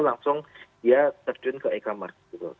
langsung dia terjun ke e commerce